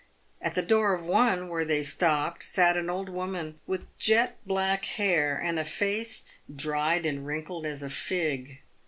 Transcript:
At the door of one where they stopped, sat an old woman with jet black hair, and a face dried and wrinkled as a fig.